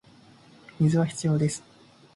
水は必要です